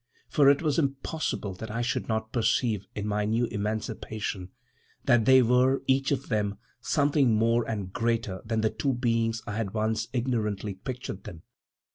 For it was impossible that I should not perceive, in my new emancipation, that they were, each of them, something more and greater than the two beings I had once ignorantly pictured them.